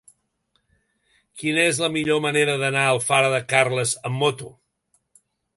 Quina és la millor manera d'anar a Alfara de Carles amb moto?